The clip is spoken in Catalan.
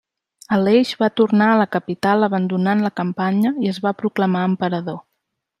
Aleix va tornar a la capital abandonant la campanya i es va proclamar emperador.